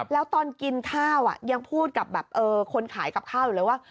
แล้วตอนกินข้าวยังพูดกับคนขายกับข้าวอยู่เลยว่า